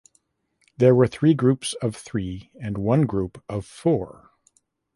There were three groups of three and one group of four.